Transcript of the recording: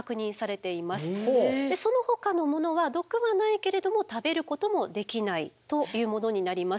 そのほかのものは毒はないけれども食べることもできないというものになります。